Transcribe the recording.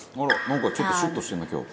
なんかちょっとシュッとしてるな今日」